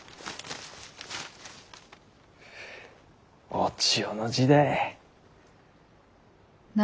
お千代の字だい。